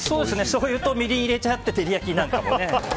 しょうゆとみりん入れちゃって照り焼きなんかもね。